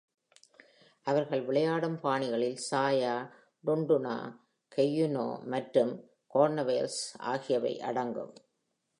அவர்கள் விளையாடும் பாணிகளில் சாயா, டுண்டுனா, ஹூயினோ மற்றும் கார்னவலேஸ் ஆகியவை அடங்கும்.